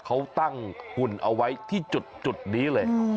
เขาตั้งหุ่นเอาไว้ที่จุดนี้เลย